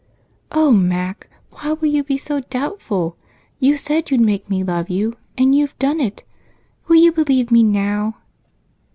"Oh, Mac! Why will you be so doubtful? You said you'd make me love you, and you've done it. Will you believe me now?"